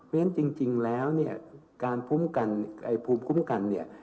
เพราะฉะนั้นจริงแล้วเนี่ยการคุ้มกันภูมิคุ้มกันเนี่ย